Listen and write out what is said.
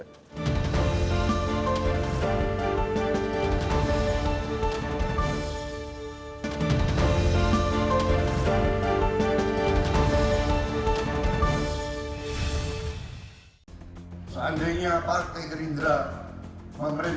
kita monim nanti semua orang